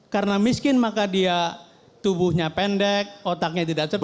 karena miskin maka dia tubuhnya pendek otaknya tidak serta